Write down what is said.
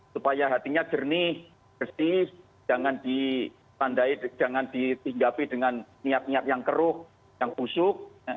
supaya hatinya jernih bersih jangan ditandai jangan ditinggapi dengan niat niat yang keruh yang busuk